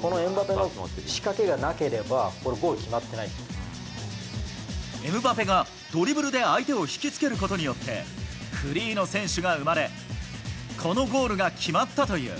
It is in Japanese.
このエムバペの仕掛けがなければ、エムバペがドリブルで相手を引き付けることによって、フリーの選手が生まれ、このゴールが決まったという。